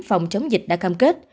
phòng chống dịch đã cam kết